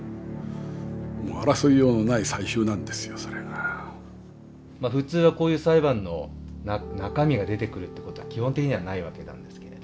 つまりその普通はこういう裁判の中身が出てくるってことは基本的にはないわけなんですけれど。